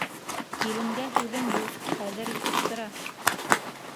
Киленгә һүҙем юҡ, ҡәҙер итеп тора.